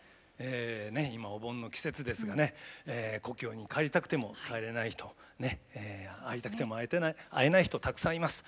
今お盆の季節ですが故郷に帰りたくても帰れない人会いたくても会えない人たくさんいます。